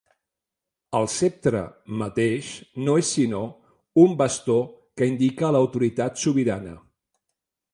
El ceptre mateix no és sinó un bastó que indica l’autoritat sobirana.